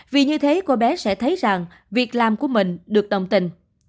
vì như thế cô bé sẽ thấy rằng việc làm của mình được đồng tình